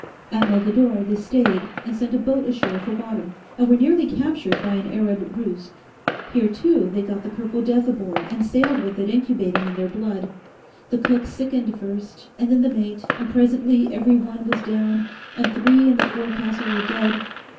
At Mogador, they stayed and sent a boat ashore for water, and were nearly captured by an Arab ruse. Here too they got the Purple Death aboard, and sailed with it incubating in their blood. The cook sickened first, and then the mate, and presently every one was down and three in the forecastle were dead.